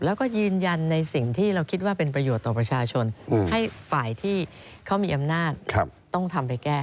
แล้วก็ยืนยันในสิ่งที่เราคิดว่าเป็นประโยชน์ต่อประชาชนให้ฝ่ายที่เขามีอำนาจต้องทำไปแก้